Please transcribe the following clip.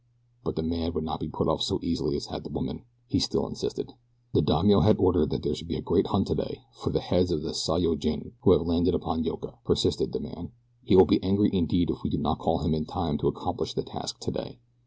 But the man would not be put off so easily as had the woman. He still insisted. "The daimio has ordered that there shall be a great hunt today for the heads of the sei yo jin who have landed upon Yoka," persisted the man. "He will be angry indeed if we do not call him in time to accomplish the task today.